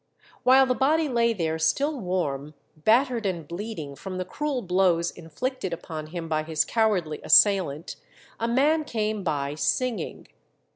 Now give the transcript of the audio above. While the body lay there still warm, battered and bleeding from the cruel blows inflicted upon him by his cowardly assailant, a man came by singing.